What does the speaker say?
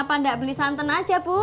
kenapa anda beli santan aja bu